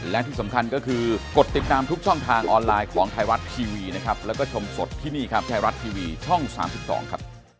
และที่สำคัญก็คือกดติดตามทุกช่องทางออนไลน์ของไทยรัฐทีวีนะครับแล้วก็ชมสดที่นี่ครับไทยรัฐทีวีช่อง๓๒ครับ